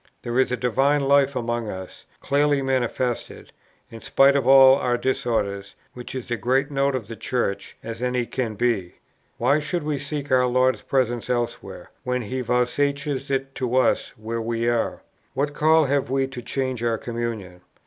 There is a divine life among us, clearly manifested, in spite of all our disorders, which is as great a note of the Church, as any can be. Why should we seek our Lord's presence elsewhere, when He vouchsafes it to us where we are? What call have we to change our communion?